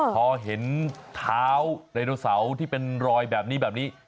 ทดเห็นเท้าไดโนเซาที่เป็นรอยแบบนี้ครับ